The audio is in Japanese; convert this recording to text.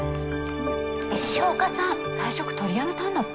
石岡さん退職取りやめたんだって？